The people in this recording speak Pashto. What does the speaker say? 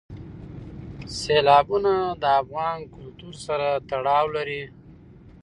سیلابونه د افغان کلتور سره تړاو لري.